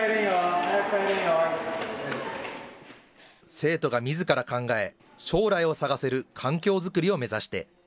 生徒がみずから考え、将来を探せる環境作りを目指して。